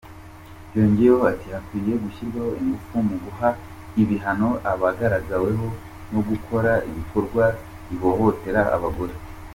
Yongeyeho ati : “Hakwiye gushyirwa ingufu mu guha ibihano abagaragaweho no gukora ibikorwa bihohotera abagore.